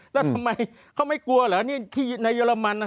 แล้วทำไมเขาไม่กลัวเหรอนี่ที่ในเยอรมันนะ